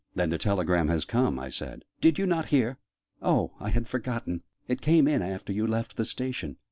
"Then the telegram has come?" I said. "Did you not hear? Oh, I had forgotten: it came in after you left the Station.